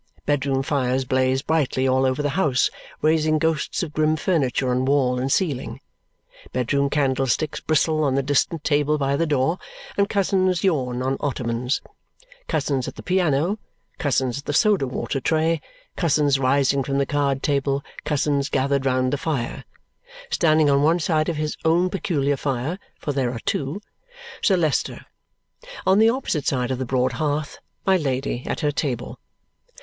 Bedroom fires blaze brightly all over the house, raising ghosts of grim furniture on wall and ceiling. Bedroom candlesticks bristle on the distant table by the door, and cousins yawn on ottomans. Cousins at the piano, cousins at the soda water tray, cousins rising from the card table, cousins gathered round the fire. Standing on one side of his own peculiar fire (for there are two), Sir Leicester. On the opposite side of the broad hearth, my Lady at her table.